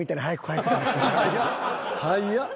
早っ。